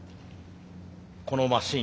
このマシン